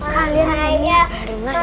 kalian main bareng amalia